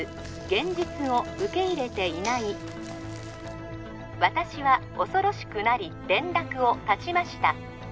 現実を受け入れていない私は恐ろしくなり連絡を絶ちました